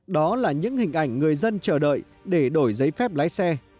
đó là những hình ảnh người dân chờ đợi để đổi giấy phép lái xe